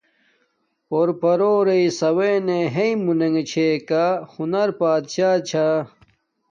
پور پارو ریݵے ساونݣے ہیݵ مونی نے چھے ،ہنز بات شاہ